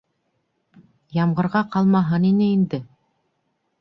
Ямғырға ҡалмаһын ине инде.